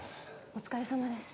お疲れさまです。